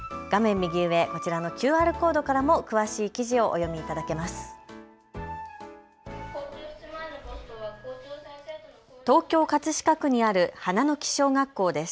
右上、こちらのＱＲコードからも詳しい記事をお読みいただけます。